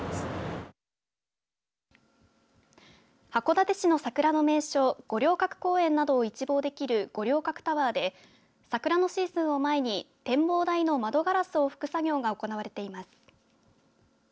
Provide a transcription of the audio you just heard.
函館市の桜の名所五稜郭公園などを一望できる五稜郭タワーで桜のシーズンを前に展望台の窓ガラスを拭く作業が行われています。